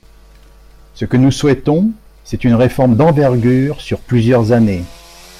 Ce que nous souhaitons, c’est une réforme d’envergure sur plusieurs années.